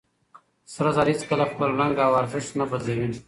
سره زر هيڅکله خپل رنګ او ارزښت نه بدلوي.